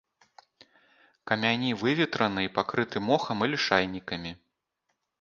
Камяні выветраны і пакрыты мохам і лішайнікамі.